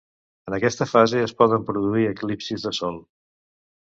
En aquesta fase es poden produir eclipsis de Sol.